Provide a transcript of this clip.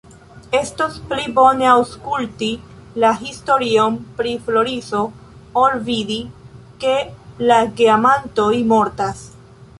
Estos pli bone, aŭskulti la historion pri Floriso ol vidi, ke la geamantoj mortas.